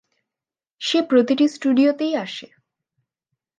সে প্রতিটি স্টুডিওতেই আসে।